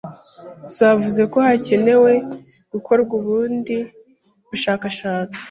zavuze ko hakenewe gukorwa ubundi bushakashatsi